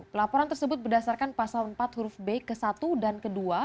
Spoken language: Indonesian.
pelaporan tersebut berdasarkan pasal empat huruf b ke satu dan ke dua